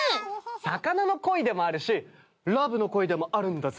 魚の鯉でもあるしラブの恋でもあるんだぜ。